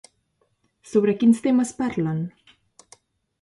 Sobre quins temes parlen?